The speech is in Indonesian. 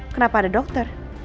kenapa ada dokter